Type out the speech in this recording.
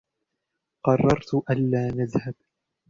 قررت ألا نذهب.